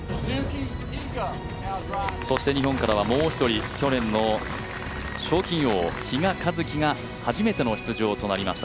そして日本からはもう１人去年の賞金王比嘉一貴が初めての出場となりました。